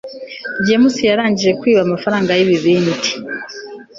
james yarangije kwiba amafaranga yibibindi